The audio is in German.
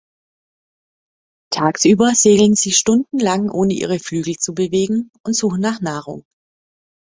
Tagsüber segeln sie stundenlang, ohne ihre Flügel zu bewegen, und suchen nach Nahrung.